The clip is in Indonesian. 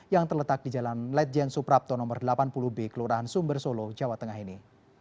yang terletak di jalan ledjen suprapto nomor delapan puluh b kelurahan sumber solo jawa tengah ini